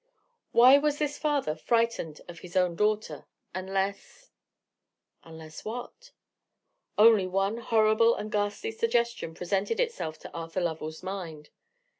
Why was this father frightened of his own daughter, unless——? Unless what? Only one horrible and ghastly suggestion presented itself to Arthur Lovell's mind.